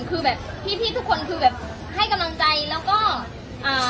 คือแบบพี่พี่ทุกคนคือแบบให้กำลังใจแล้วก็อ่า